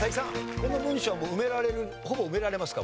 この文章は埋められるほぼ埋められますか？